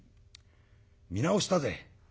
見直したぜ。